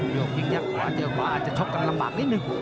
โยกยิ่งยักษ์ขวาเจอขวาอาจจะชกกันลำบากนิดนึง